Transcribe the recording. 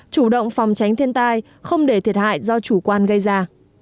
chủ động phòng tránh thiên tai không để thiệt hại do chủ quan gây ra